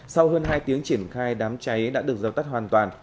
sau hơn hai tiếng triển khai đám cháy đã được dập tắt hoàn toàn